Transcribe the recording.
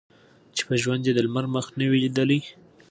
چي په ژوند یې د لمر مخ نه دی لیدلی